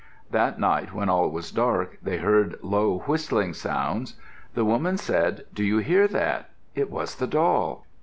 That night, when all was dark, they heard low whistling sounds. The woman said, "Do you hear that? It was the doll."